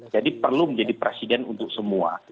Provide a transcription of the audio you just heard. jadi perlu menjadi presiden untuk semua